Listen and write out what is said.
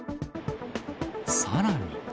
さらに。